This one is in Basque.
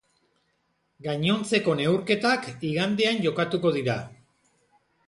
Gainontzeko neurketak igandean jokatuko dira.